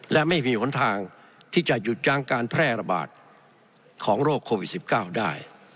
และไม่มีหนทางที่จะหยุดยั้งการแพร่ระบาดของโรคโควิด๑๙ได้